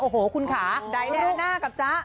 ด๋ายด้านหน้ากับจ๊ะ